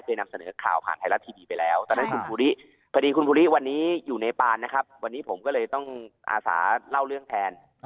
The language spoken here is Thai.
เคยนำเสนอข่าวผ่านไทยรัฐพิธีไปแล้ว